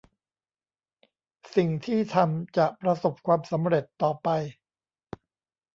สิ่งที่ทำจะประสบความสำเร็จต่อไป